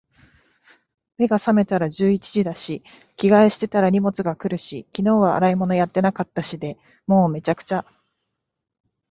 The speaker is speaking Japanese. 目が覚めたら十一時だし、着替えしてたら荷物が来るし、昨日は洗い物やってなかったしで……もう、滅茶苦茶。